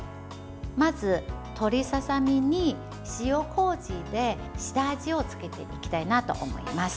まず鶏ささみに、塩こうじで下味をつけていきたいなと思います。